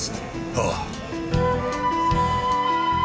ああ。